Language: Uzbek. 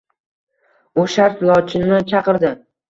U shart Lochinni chaqirdi.